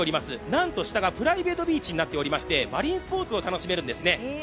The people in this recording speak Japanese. なんと下がプライベートビーチになっておりましてマリンスポーツを楽しめるんですね。